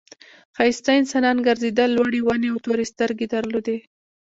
ښایسته انسانان گرځېدل لوړې ونې او تورې سترګې درلودې.